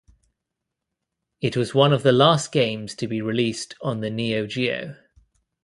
It was one of the last games to be released on the Neo Geo.